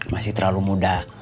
masih terlalu muda